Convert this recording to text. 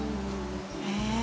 へえ。